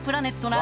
な